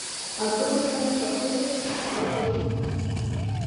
Акыр уҳәар уҭахызар, Ҟазауҭ?